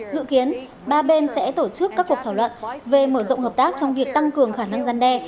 dự kiến ba bên sẽ tổ chức các cuộc thảo luận về mở rộng hợp tác trong việc tăng cường khả năng gian đe